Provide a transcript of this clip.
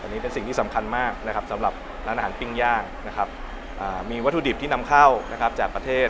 อันนี้เป็นสิ่งที่สำคัญมากสำหรับร้านอาหารปิ้งย่างมีวัตถุดิบที่นำเข้าจากประเทศ